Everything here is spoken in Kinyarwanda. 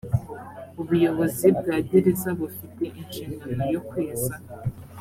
ubuyobozi bwa gereza bufite inshingano yo kweza